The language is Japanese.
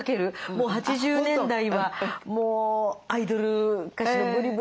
もう８０年代はもうアイドル歌手のブリブリのね